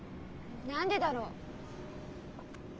何でだろ？